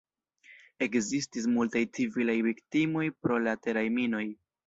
Ekzistis multaj civilaj viktimoj pro la teraj minoj.